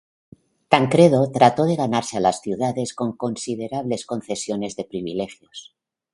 Tancredo trató de ganarse a las ciudades con considerables concesiones de privilegios.